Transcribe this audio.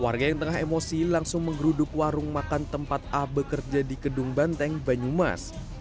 warga yang tengah emosi langsung menggeruduk warung makan tempat a bekerja di kedung banteng banyumas